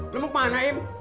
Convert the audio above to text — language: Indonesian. lo mau kemana im